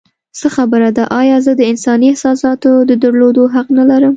څه خبره ده؟ ایا زه د انساني احساساتو د درلودو حق نه لرم؟